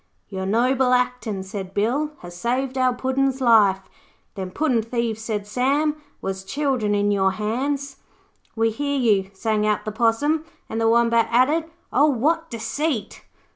'Your noble actin',' said Bill, 'has saved our Puddin's life.' 'Them puddin' thieves,' said Sam, 'was children in your hands.' 'We hear you,' sang out the Possum, and the Wombat added, 'Oh, what deceit!'